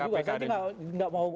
saya juga saya juga nggak mau